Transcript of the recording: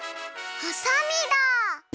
はさみだ！